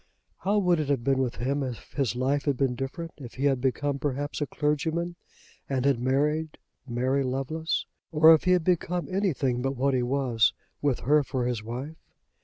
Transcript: How would it have been with him if his life had been different; if he had become, perhaps, a clergyman and had married Mary Lovelace? or if he had become anything but what he was with her for his wife?